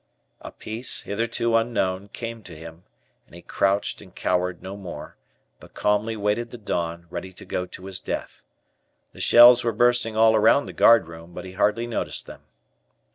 A peace, hitherto unknown, came to him, and he crouched and cowered no more, but calmly waited the dawn, ready to go to his death. The shells were bursting all around the guardroom, but he hardly noticed them.